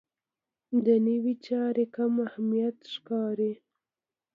دنیوي چارې کم اهمیته ښکاره شي.